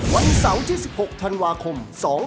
วันเสาร์๑๖ธันวาคม๒๐๑๗